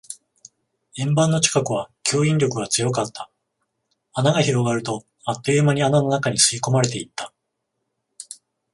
円盤の近くは吸引力が強かった。穴が広がると、あっという間に穴の中に吸い込まれていった。